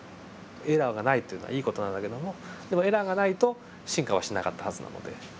エラーがないというのはいい事なんだけどもでもエラーがないと進化はしなかったはずなので。